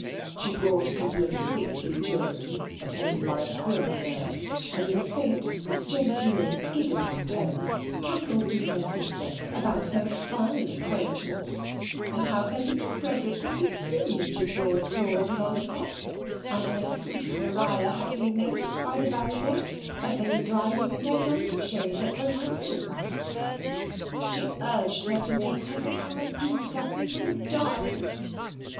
She brought a couple of sickly children attended by a prim nurse, and in a faint genteel giggling tone cackled to her sister about her fine acquaintance, and how her little Frederick was the image of Lord Claud Lollypop and her sweet Maria had been noticed by the Baroness as they were driving in their donkey chaise at Roehampton. She urged her to make her papa do something for the darlings.